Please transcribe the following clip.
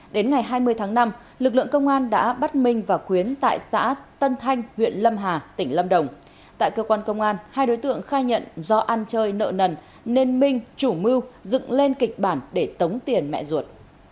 đến ngày hai mươi tháng năm lực lượng công an đã bắt minh và khuyến tại xã tân thanh huyện lâm hà tỉnh lâm đồng tại cơ quan công an hai đối tượng khai nhận do ăn chơi nợ nần nên minh chủ mưu dựng lên kịch bản để tống tiền mẹ ruột